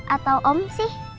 atau om sih